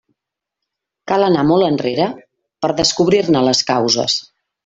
Cal anar molt enrere per a descobrir-ne les causes.